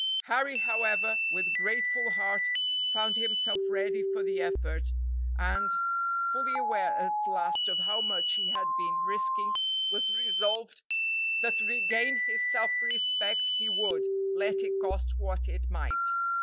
Harry, however, with grateful heart found himself ready for the effort, and, fully aware at last of how much he had been risking, was resolved that regain his self respect he would, let it cost what it might.